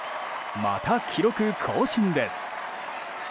また記録更新です！